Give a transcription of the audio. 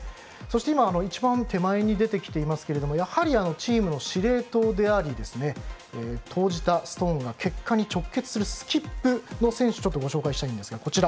そして、一番手前に出てきていますがやはり、チームの司令塔であり投じたストーンが結果に直結するスキップの選手をご紹介します。